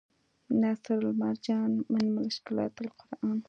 نصرالمرجان من مشکلات القرآن